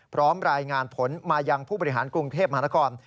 พร้อมรายงานผลมายังผู้บริหารกรุงเทพมหานคร